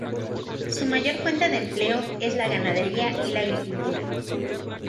Su mayor fuente de empleo es la ganadería y la agricultura.